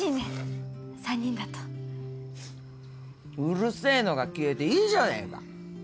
うるせえのが消えていいじゃねえか。